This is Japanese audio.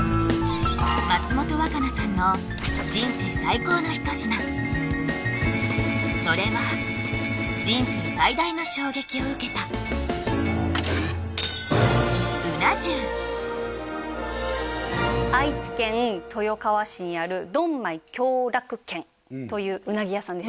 松本若菜さんの人生最高の一品それは人生最大の衝撃を受けたといううなぎ屋さんです